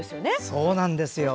そうなんですよ。